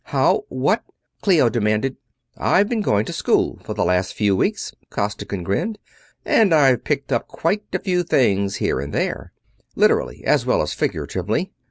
"How ... what...." Clio demanded. "I've been going to school for the last few weeks," Costigan grinned, "and I've picked up quite a few things here and there literally, as well as figuratively.